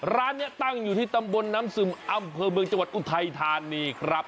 ร้านนี้ตั้งอยู่ที่ตำบลน้ำซึมอำเภอเมืองจังหวัดอุทัยธานีครับ